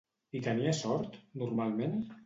Hi tenia sort, normalment?